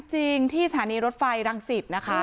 ที่สถานีรถไฟรังสิตนะคะ